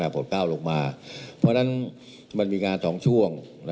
เพราะฉะนั้นมันมีงาน๒ช่วง